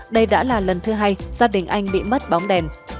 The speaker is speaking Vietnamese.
đây đã là lần thứ hai gia đình anh bị mất bóng đèn